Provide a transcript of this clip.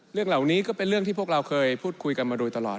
เรื่องเหล่านี้ก็เป็นเรื่องที่พวกเราเคยพูดคุยกันมาโดยตลอด